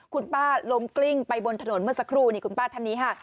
คุณป้าล้มกลิ้งไปบนถนนเมื่อสักครู่นี่คุณป้าท่านนี้ค่ะ